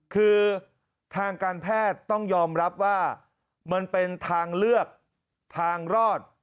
คือทางการแพทย์ต้องยอมรับว่ามันเป็นทางเลือกทางรอด